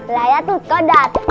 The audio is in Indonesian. laya tukau datang